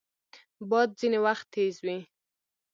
باد ځینې وخت تیز وي